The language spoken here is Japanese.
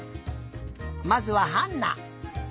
まずはハンナ。